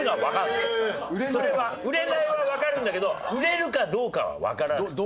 売れないはわかるんだけど売れるかどうかはわからない。